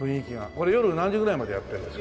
これ夜何時ぐらいまでやってるんですか？